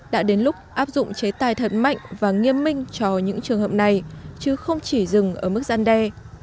đã đến lúc áp dụng chế tài thật mạnh và nghiêm minh cho những trường hợp này chứ không chỉ dừng ở mức gian đe